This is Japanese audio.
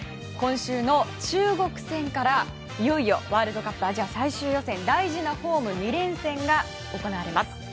今週の中国戦からいよいよワールドカップアジア最終予選大事なホーム２連戦が行われます。